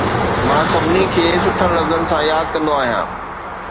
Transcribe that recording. مان سڀني کي سٺن لفظن سان ياد ڪندو آهيان